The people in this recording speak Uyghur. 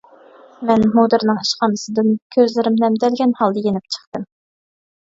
مەن مۇدىرنىڭ ئىشخانىسىدىن كۆزلىرىم نەمدەلگەن ھالدا يېنىپ چىقتىم.